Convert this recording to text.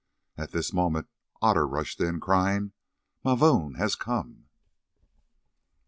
At this moment Otter rushed in, crying: "Mavoom has come!"